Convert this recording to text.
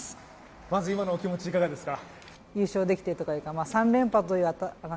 まず今のお気持ち、いかがですか？